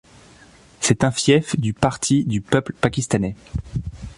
C'est un fief du Parti du peuple pakistanais.